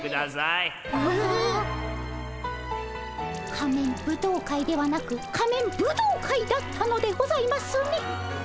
仮面舞踏会ではなく仮面ブドウ会だったのでございますね。